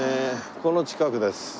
この近くです。